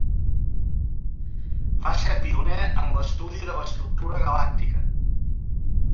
Va ser pioner en l'estudi de l'estructura galàctica.